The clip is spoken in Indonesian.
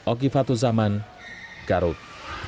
oke fathuzaman garut